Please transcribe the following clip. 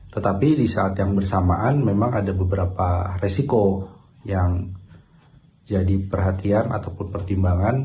tetapi di saat yang bersamaan memang ada beberapa resiko yang jadi perhatian ataupun pertimbangan